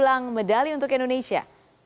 dulang medali untuk indonesia